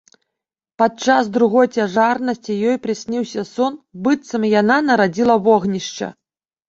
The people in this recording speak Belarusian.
Падчас другой цяжарнасці ёй прысніўся сон, быццам яна нарадзіла вогнішча.